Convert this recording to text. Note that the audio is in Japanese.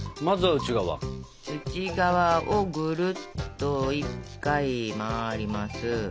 内側をぐるっと１回回ります。